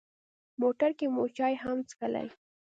موټر کې مو چای هم څښلې.